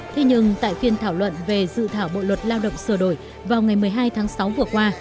thế nhưng tại phiên thảo luận về dự thảo bộ luật lao động sửa đổi vào ngày một mươi hai tháng sáu vừa qua